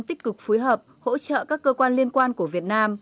tích cực phối hợp hỗ trợ các cơ quan liên quan của việt nam